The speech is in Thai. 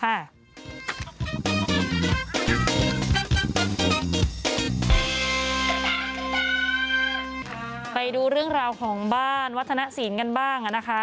ไปดูเรื่องราวของบ้านวัฒนศีลกันบ้างนะคะ